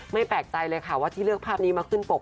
แปลกใจเลยค่ะว่าที่เลือกภาพนี้มาขึ้นปก